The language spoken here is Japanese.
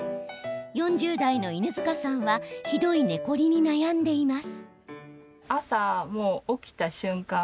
４０代の犬塚さんはひどい寝コリに悩んでいます。